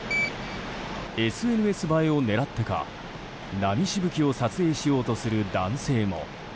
ＳＮＳ映えを狙ってか波しぶきを撮影しようとする男性も。